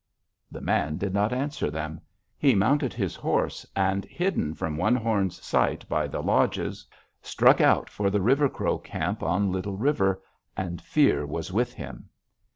"The man did not answer them. He mounted his horse, and, hidden from One Horn's sight by the lodges, struck out for the River Crow camp on Little River, and fear was with him.